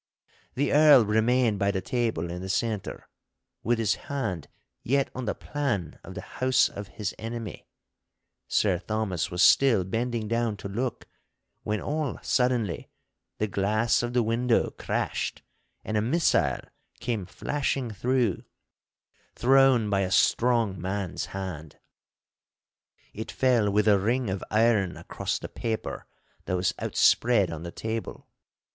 The Earl remained by the table in the centre, with his hand yet on the plan of the house of his enemy. Sir Thomas was still bending down to look, when all suddenly the glass of the window crashed and a missile came flashing through, thrown by a strong man's hand. It fell with a ring of iron across the paper that was outspread on the table.